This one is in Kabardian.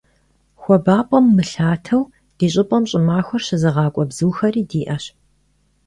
Хуабапӏэм мылъатэу ди щӏыпӏэм щӏымахуэр щызыгъакӏуэ бзухэри щыӏэщ.